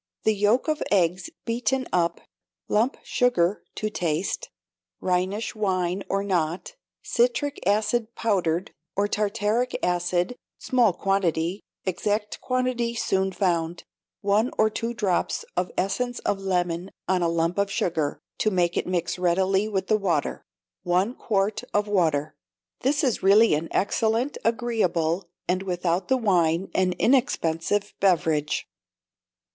The yolk of eggs beaten up, lump sugar (to taste), Rhenish wine or not, citric acid powdered, or tartaric acid (small quantity, exact quantity soon found); one or two drops of essence of lemon on a lump of sugar, to make it mix readily with the water; one quart of water. This is really an excellent, agreeable, and, without the wine, an inexpensive beverage.